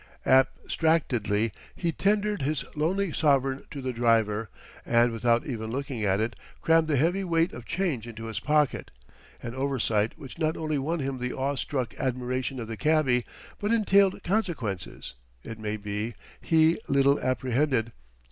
Abstractedly he tendered his lonely sovereign to the driver, and without even looking at it, crammed the heavy weight of change into his pocket; an oversight which not only won him the awe struck admiration of the cabby, but entailed consequences (it may be) he little apprehended.